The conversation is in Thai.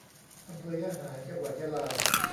อำเภอยะหา จังหวัดยะลา